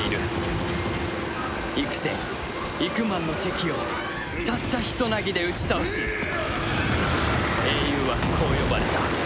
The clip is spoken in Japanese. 幾千幾万の敵をたったひとなぎで打ち倒し英雄はこう呼ばれた。